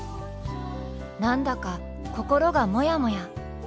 何だか心がモヤモヤ。